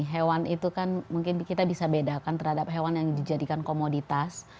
hewan itu kan mungkin kita bisa bedakan terhadap hewan yang dijadikan komoditas